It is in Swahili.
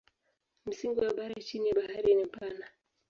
Msingi wa bara chini ya bahari ni mpana.